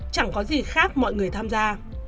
chẳng có gì khác mọi người tham gia